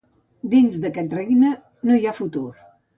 Dins d’aquest regne no hi ha futur.